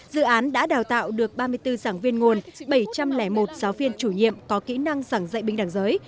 dự án đã đào tạo được ba mươi bốn giảng viên nguồn bảy trăm linh một giáo viên chủ nhiệm có kỹ năng giảng dạy bình đẳng giới